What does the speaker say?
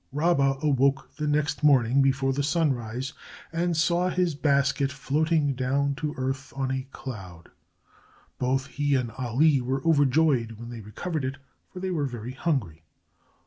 Rabba awoke next morning before the sunrise and saw his basket floating down to earth on a cloud. Both he and Ali were overjoyed when they recovered it, for they were very hungry.